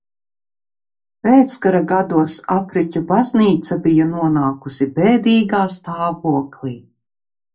Pēckara gados Apriķu baznīca bija nonākusi bēdīgā stāvoklī.